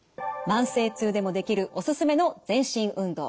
慢性痛でもできるおすすめの全身運動